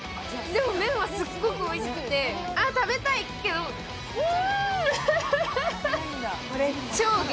でも、麺はすっごくおいしくて、あ、食べたいっていう。